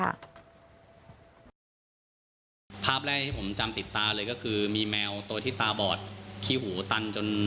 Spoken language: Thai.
ภาพแรกที่ผมจำติดตาเลยก็คือมีแมวตัวที่ตาบอดขี้หูตันจน